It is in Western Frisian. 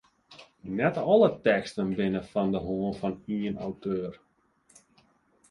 Net alle teksten binne fan de hân fan ien auteur.